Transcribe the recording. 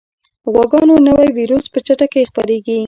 غواګانو نوی ویروس په چټکۍ خپرېږي.